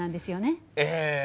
ええ。